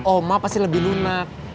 oma pasti lebih lunak